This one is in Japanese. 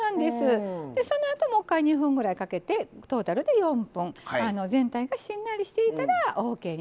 そのあともう一回２分ぐらいかけてトータルで４分全体がしんなりしていたらオーケーになります。